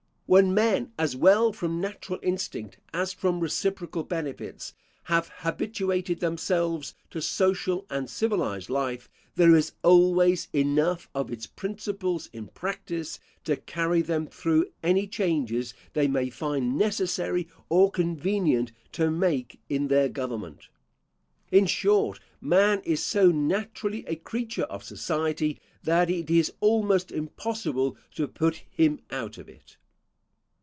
When men, as well from natural instinct as from reciprocal benefits, have habituated themselves to social and civilised life, there is always enough of its principles in practice to carry them through any changes they may find necessary or convenient to make in their government. In short, man is so naturally a creature of society that it is almost impossible to put him out of it.